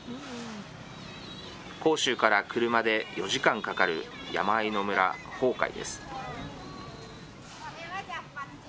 広州から車で４時間かかる山あいの村、封開です。